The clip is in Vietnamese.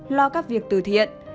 lo các việc từ thiện